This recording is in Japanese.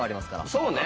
そうね。